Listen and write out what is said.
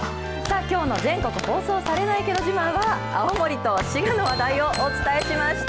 きょうの全国放送されないけど自慢は、青森と滋賀の話題をお伝えしました。